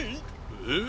えっ？